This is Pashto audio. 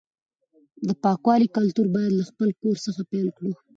د پاکوالي کلتور باید له خپل کور څخه پیل کړو.